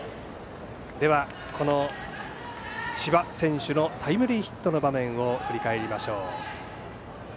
では、千葉選手のタイムリーヒットの場面を振り返りましょう。